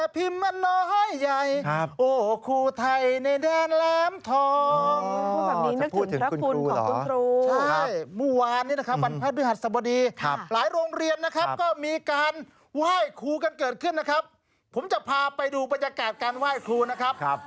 ไปดูบรรยากาศการไหว้ครูนะครับ